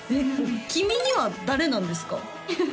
「きみに」は誰なんですか？